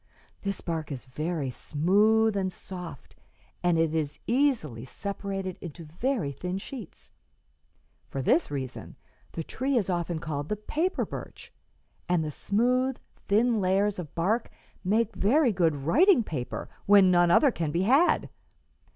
This bark is very smooth and soft, and it is easily separated into very thin sheets. For this reason the tree is often called the paper birch, and the smooth, thin layers of bark make very good writing paper when none other can be had."